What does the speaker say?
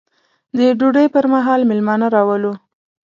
د ډوډۍ پر مهال مېلمانه راولو.